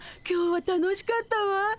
今日は楽しかったわ。